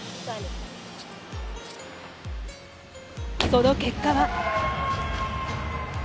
その結果は。